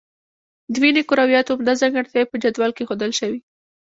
د وینې کرویاتو عمده ځانګړتیاوې په جدول کې ښودل شوي.